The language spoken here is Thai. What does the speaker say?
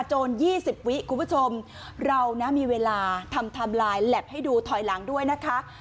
โจรยี่สิบวิคุณผู้ชมเราน่ะมีเวลาทำทำลายแหลบให้ดูถอยหลังด้วยนะคะ